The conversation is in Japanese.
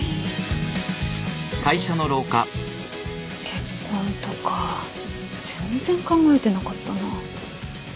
結婚とか全然考えてなかったな。